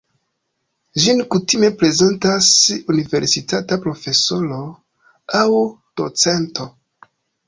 Ĝin kutime prezentas universitata profesoro aŭ docento.